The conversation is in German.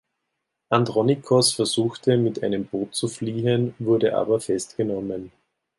Andronikos versuchte, mit einem Boot zu fliehen, wurde aber festgenommen.